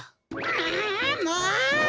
あもう！